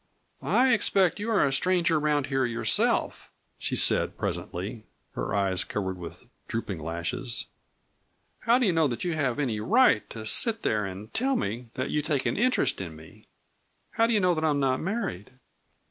"I expect you are a stranger around here yourself," she said presently, her eyes covered with drooping lashes. "How do you know that you have any right to sit there and tell me that you take an interest in me? How do you know that I am not married?"